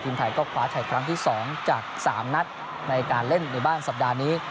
ไทยก็คว้าชัยครั้งที่๒จาก๓นัดในการเล่นในบ้านสัปดาห์นี้